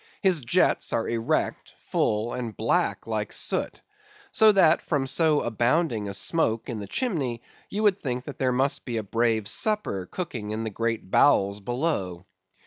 His jets are erect, full, and black like soot; so that from so abounding a smoke in the chimney, you would think there must be a brave supper cooking in the great bowels below.